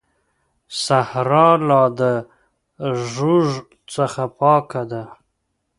صحرا لا د ږوږ څخه پاکه ده.